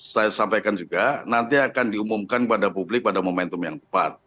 saya sampaikan juga nanti akan diumumkan kepada publik pada momentum yang tepat